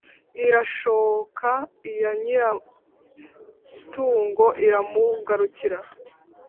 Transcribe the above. irashooka iya nyiratungo iramugarukira